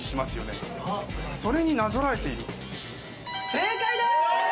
正解です！